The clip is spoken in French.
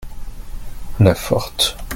la forte.